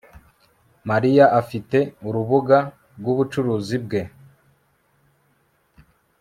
Mariya afite urubuga rwubucuruzi bwe